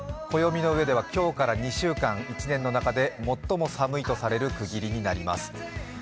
暦の上では今日から２週間１年の中で最も寒いとされる区切りになります。